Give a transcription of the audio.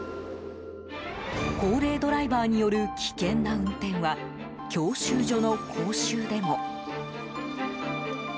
高齢ドライバーによる危険な運転は教習所の講習でも。